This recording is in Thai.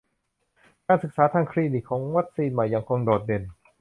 การศึกษาทางคลินิกของวัคซีนใหม่ยังคงโดดเด่น